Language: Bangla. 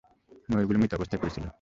ময়ূরগুলো মৃত অবস্থায় পড়ে ছিল।